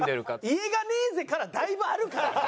イエガネーゼからだいぶあるからね。